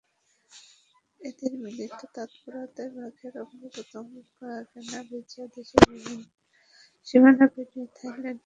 এদের মিলিত তৎপরতায় বাঘের অঙ্গপ্রত্যঙ্গ কেনাবেচা দেশের সীমানা পেরিয়ে থাইল্যান্ড-চীন পর্যন্ত সম্প্রসারিত।